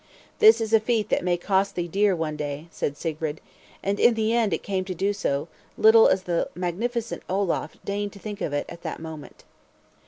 "This is a feat that may cost thee dear one day," said Sigrid. And in the end it came to do so, little as the magnificent Olaf deigned to think of it at the moment.